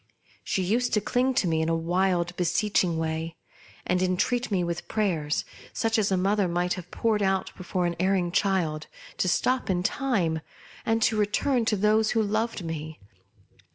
She used to cling to me in a wild, beseeching way, and entreat me with prayers, such as a mother might have poured out before an erring child, to stop in time, and return to those who loved me.